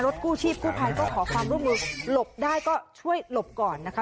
กู้ชีพกู้ภัยก็ขอความร่วมมือหลบได้ก็ช่วยหลบก่อนนะคะ